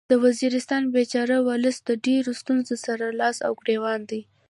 د وزیرستان بیچاره ولس د ډیرو ستونځو سره لاس او ګریوان دی